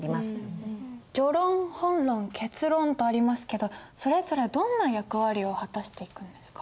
「序論」「本論」「結論」とありますけどそれぞれどんな役割を果たしていくんですか？